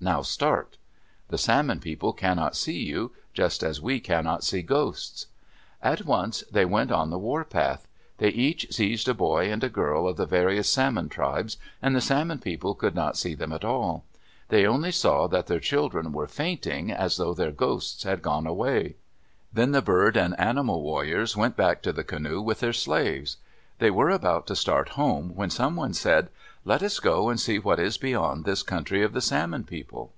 Now start! The Salmon People cannot see you, just as we cannot see ghosts." At once they went on the warpath. They each seized a boy and a girl of the various Salmon tribes, and the Salmon People could not see them at all. They only saw that their children were fainting, as though their ghosts had gone away. Then the bird and animal warriors went back to the canoe with their slaves. They were about to start home, when someone said, "Let us go and see what is beyond this country of the Salmon People."